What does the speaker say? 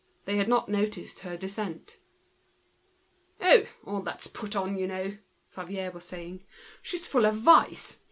They had not noticed her. "Oh! all that's put on, you know," Favier was saying. "She's full of vice!